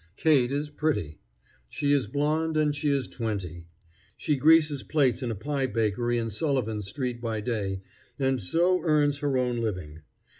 Kate is pretty. She is blonde and she is twenty. She greases plates in a pie bakery in Sullivan street by day, and so earns her own living.